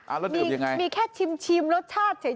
แล้วมียังไงมีแค่ชิมรสชาติเฉย